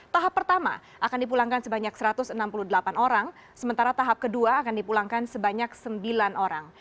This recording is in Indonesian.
tahap pertama akan dipulangkan sebanyak satu ratus enam puluh delapan orang sementara tahap kedua akan dipulangkan sebanyak sembilan orang